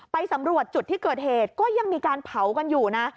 ไปสำรวจจุดที่เกิดเหตุก็ยังมีการเผากันอยู่นะ